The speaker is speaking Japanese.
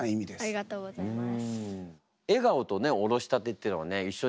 ありがとうございます。